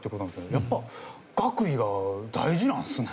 やっぱ学位が大事なんですね。